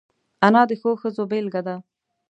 انا د ښو ښځو بېلګه ده